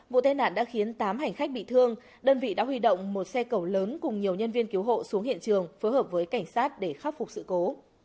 vụ tai nạn đã khiến tám hành khách bị thương đơn vị đã huy động một xe cầu lớn cùng nhiều nhân viên cứu hộ xuống hiện trường phối hợp với cảnh sát để khắc phục sự cố